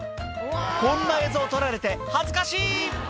こんな映像撮られて恥ずかしい！